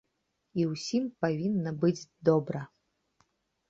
І ўсім павінна быць добра.